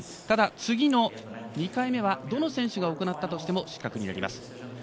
ただ、次の２回目はどの選手が行ったとしても失格になります。